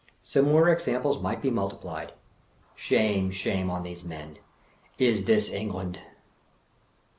Similar ex amples might be multiplied. Shame, shame, on these men I Is this England?